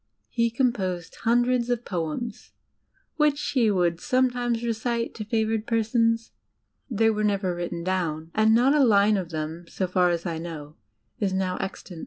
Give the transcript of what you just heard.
He composed hundreds of poems, which he would somedmes recite to favoured persons. They were never written down, and not a line of them, so far as I know, is now extant.